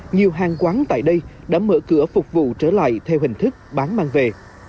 nhiều hàng quán tại đây đã mở cửa phục vụ trở lại theo hình thức bán mang về